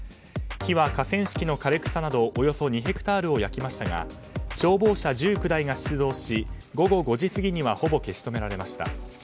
火は河川敷の枯れ草などおよそ２ヘクタールを焼きましたが消防車１９台が出動し午後５時過ぎにはほぼ消し止められました。